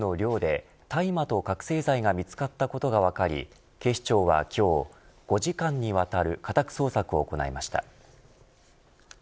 日本大学アメリカンフットボールの寮で大麻と覚せい剤が見つかったことが分かり警視庁は今日、５時間にわたる家宅捜索を行いました。